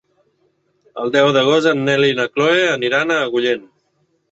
El deu d'agost en Nel i na Chloé aniran a Agullent.